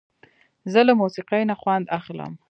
زه له موسیقۍ نه خوند اخلم.